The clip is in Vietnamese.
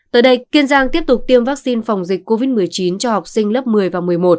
tới đây kiên giang tiếp tục tiêm vaccine phòng dịch covid một mươi chín cho học sinh lớp một mươi và một mươi một